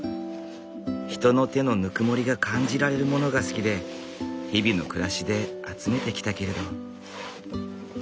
人の手のぬくもりが感じられるものが好きで日々の暮らしで集めてきたけれど。